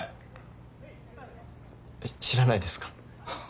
えっ知らないですか？